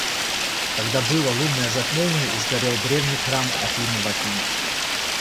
когда было лунное затмение и сгорел древний храм Афины в Афинах